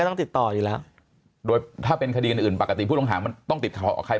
ต้องติดต่ออยู่แล้วถ้าเป็นคดีอื่นปกติผู้ต้องติดต่อใคร